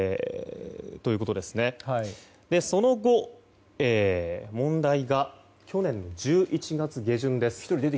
その後、問題が去年１１月下旬です。